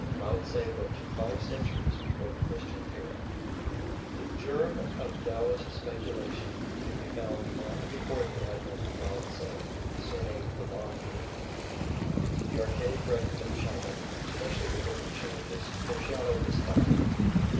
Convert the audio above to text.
Laotse lived five centuries before the Christian Era. The germ of Taoist speculation may be found long before the advent of Laotse, surnamed the Long Eared. The archaic records of China, especially the Book of Changes, foreshadow his thought.